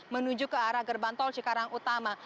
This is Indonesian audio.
menuju ke arah gerbang tol cikarang utama